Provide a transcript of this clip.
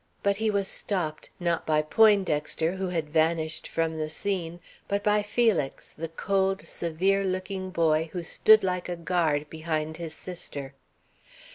But he was stopped, not by Poindexter, who had vanished from the scene, but by Felix, the cold, severe looking boy who stood like a guard behind his sister.